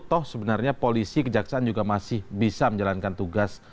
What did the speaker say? toh sebenarnya polisi kejaksaan juga masih bisa menjalankan tugas